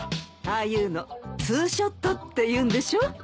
ああいうのツーショットっていうんでしょ？